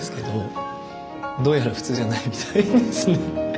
どうやら普通じゃないみたいですね。